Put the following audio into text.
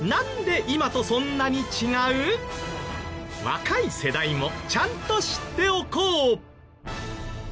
若い世代もちゃんと知っておこう。